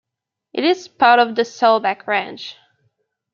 It is part of the Sawback Range.